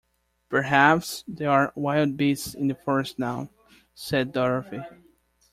"Perhaps there are wild beasts in the forest now," said Dorothy.